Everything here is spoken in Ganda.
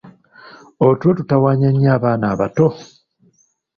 Otulo tutawaanya nnyo abaana abato.